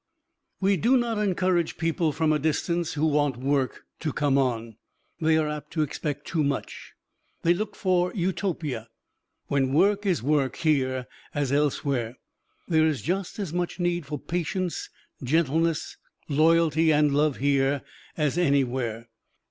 We do not encourage people from a distance who want work to come on they are apt to expect too much. They look for Utopia, when work is work, here as elsewhere. There is just as much need for patience, gentleness, loyalty and love here as anywhere.